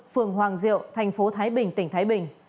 phường hoàng diệu thành phố thái bình tỉnh thái bình